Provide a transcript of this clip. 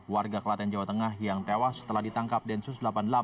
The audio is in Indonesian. warga kelaten jawa tengah yang tewas setelah ditangkap densus delapan puluh delapan